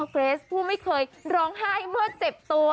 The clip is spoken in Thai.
เกรสผู้ไม่เคยร้องไห้เมื่อเจ็บตัว